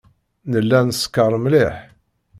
Nella neskeṛ mliḥ.